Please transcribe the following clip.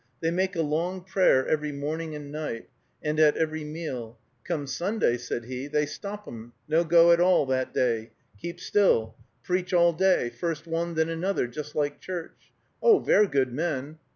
"They make a long prayer every morning and night, and at every meal. Come Sunday," said he, "they stop 'em, no go at all that day, keep still, preach all day, first one, then another, just like church. Oh, ver good men."